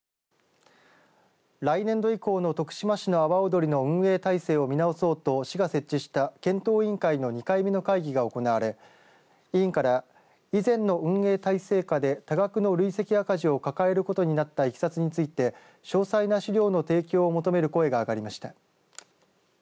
来年度以降の徳島市の阿波おどりの運営体制を見直そうと市が設置した検討委員会の２回目の会議が行われ委員から、以前の運営体制下で多額の累積赤字を抱えることになったいきさつについて詳細な資料の提供を求める声があがりました。